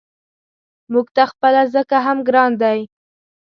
موږ ته خپله ځکه هم ګران دی.